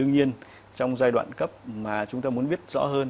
nhiên trong giai đoạn cấp mà chúng ta muốn biết rõ hơn